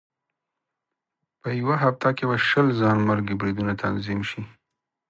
په یوه هفته کې به شل ځانمرګي بریدونه تنظیم شي.